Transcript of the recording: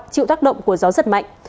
chịu tác động của gió rất mạnh